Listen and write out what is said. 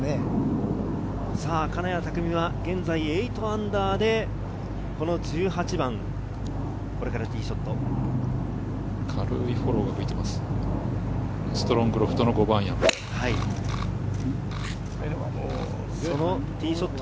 金谷拓実は現在−８で１８番、これからティーショット。